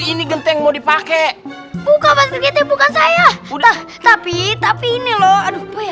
ini genteng mau dipakai buka bantuin gt bukan saya tapi tapi ini loh